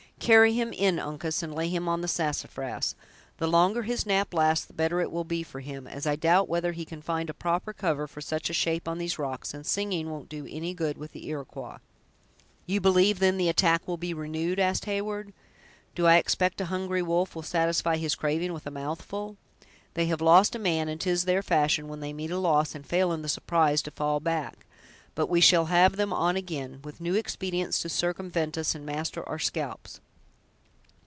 "Carry him in, Uncas, and lay him on the sassafras. The longer his nap lasts the better it will be for him, as I doubt whether he can find a proper cover for such a shape on these rocks; and singing won't do any good with the Iroquois." "You believe, then, the attack will be renewed?" asked Heyward. "Do I expect a hungry wolf will satisfy his craving with a mouthful! They have lost a man, and 'tis their fashion, when they meet a loss, and fail in the surprise, to fall back; but we shall have them on again, with new expedients to circumvent us, and master our scalps.